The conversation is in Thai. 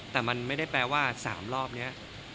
แต่มันไม่ได้แปลว่า๓รอบนี้